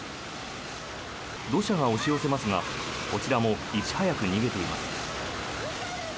土砂が押し寄せますがこちらもいち早く逃げています。